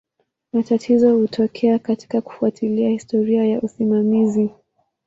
Matatizo hutokea katika kufuatilia historia ya usimamizi.